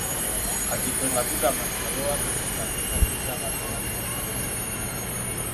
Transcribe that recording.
Kati ffe nga tugamba nti wabeewo akakiiko akekaliriza abantu abagenda okwesimbawo.